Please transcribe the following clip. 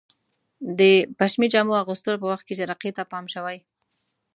د پشمي جامو اغوستلو په وخت کې جرقې ته پام شوی؟